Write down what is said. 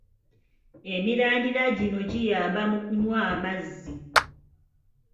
Emirandira gino giyamba mu kunywa amazzi.